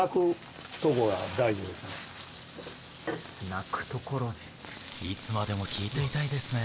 ・鳴くところね・いつまでも聞いていたいですね